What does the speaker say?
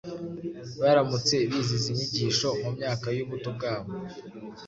baramutse bize izi nyigisho mu myaka y’ubuto bwabo!